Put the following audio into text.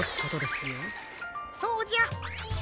そうじゃ。